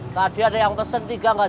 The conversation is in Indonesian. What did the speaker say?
tadi ada yang pesen tiga gak jelas